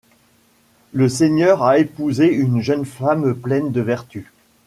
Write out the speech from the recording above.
Le seigneur a épousé une jeune femme pleine de vertus.